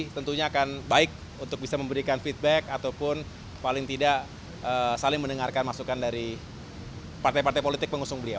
tentunya akan baik untuk bisa memberikan feedback ataupun paling tidak saling mendengarkan masukan dari partai partai politik pengusung beliau